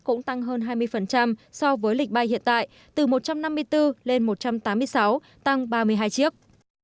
cũng tăng hơn hai mươi so với lịch bay hiện tại từ một trăm năm mươi bốn lên một trăm tám mươi sáu tăng ba mươi hai chiếc